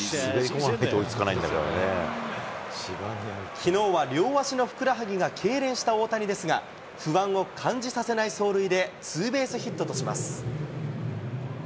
きのうは両足のふくらはぎがけいれんした大谷ですが、不安を感じさせない走塁で、ツーベースヒットとします。